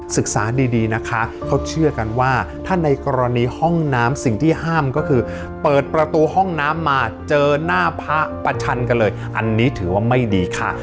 ศึกษาดีนะคะเขาเชื่อกันว่าถ้าในกรณีห้องน้ำสิ่งที่ห้ามก็คือเปิดประตูห้องน้ำมาเจอหน้าพระประชันกันเลยอันนี้ถือว่าไม่ดีค่ะ